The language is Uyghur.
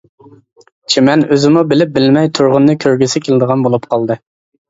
چىمەن ئۆزىمۇ بىلىپ بىلمەي تۇرغۇننى كۆرگۈسى كېلىدىغان بولۇپ قالدى.